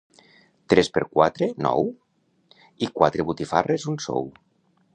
Tres per quatre, nou? I quatre botifarres, un sou.